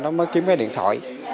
nó mới kiếm cái điện thoại